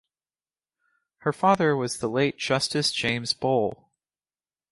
Her father was the late Justice James Bol.